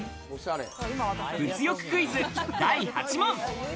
物欲クイズ第８問。